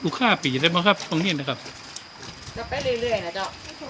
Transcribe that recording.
ลูกค่าปีได้มั้งครับตรงนี้นะครับจะไปเรื่อยน่ะจ้ะ